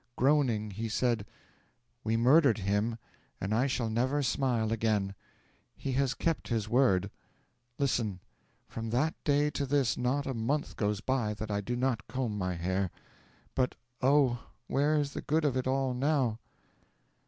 Groaning, he said, "We murdered him, and I shall never smile again!" He has kept his word. Listen; from that day to this not a month goes by that I do not comb my hair. But oh, where is the good of it all now!'